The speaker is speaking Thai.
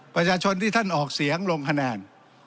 ประชาชนที่ท่านออกเสียงลงคะแนน